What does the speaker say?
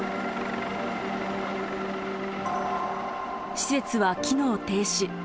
施設は機能停止。